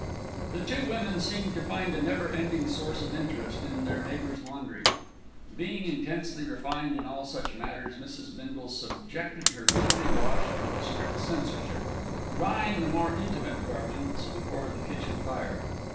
The two women seemed to find a never ending source of interest in their neighbour's laundry. Being intensely refined in all such matters, Mrs. Bindle subjected her weekly wash to a strict censorship, drying the more intimate garments before the kitchen fire.